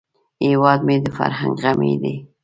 هیواد مې د فرهنګ غمی دی